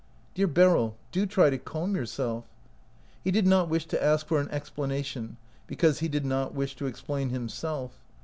"Dear Beryl, do try to calm yourself." He did not wish to ask for an explanation, because he did not wish to explain himself.